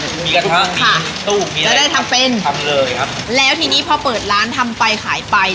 มีกระทะค่ะตู้เย็นจะได้ทำเป็นทำเลยครับแล้วทีนี้พอเปิดร้านทำไปขายไป